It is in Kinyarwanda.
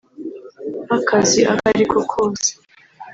nk’akazi ako ariko kose